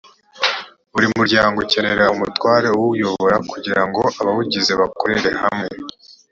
buri muryango ukenera umutware uwuyobora kugira ngo abawugize bakorere hamwe